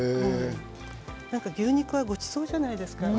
牛肉はごちそうじゃないですか。